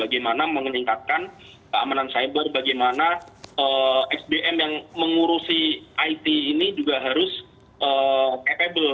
bagaimana meningkatkan keamanan cyber bagaimana sdm yang mengurusi it ini juga harus capable